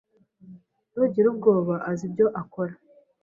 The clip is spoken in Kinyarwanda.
Ntugire ubwoba. Azi ibyo akora.